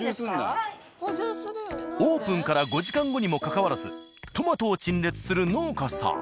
オープンから５時間後にもかかわらずトマトを陳列する農家さん。